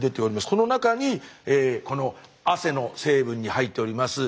この中にこの汗の成分に入っております